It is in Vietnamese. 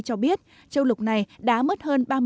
cho biết châu lục này đã mất hơn